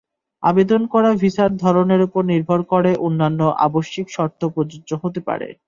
আবেদন করা ভিসার ধরনের ওপর নির্ভর করে অন্যান্য আবশ্যিক শর্ত প্রযোজ্য হতে পারে।